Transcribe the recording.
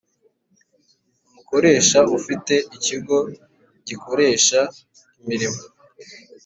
Umukoresha ufite ikigo gikoresha imirimo